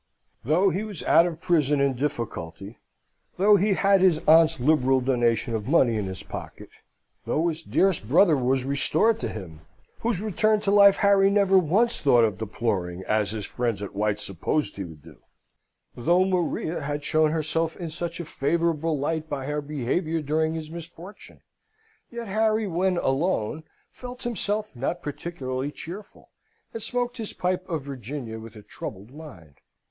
Though he was out of prison and difficulty; though he had his aunt's liberal donation of money in his pocket; though his dearest brother was restored to him, whose return to life Harry never once thought of deploring, as his friends at White's supposed he would do; though Maria had shown herself in such a favourable light by her behaviour during his misfortune: yet Harry, when alone, felt himself not particularly cheerful, and smoked his pipe of Virginia with a troubled mind.